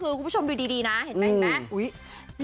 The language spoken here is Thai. คือคุณผู้ชมดูดีนะเห็นไหม